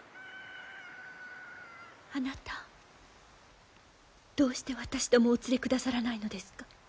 あなたどうして私どもをお連れくださらないのですか？